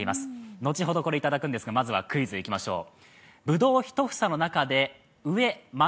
後ほどいただくんですがまずはクイズ行きましょう。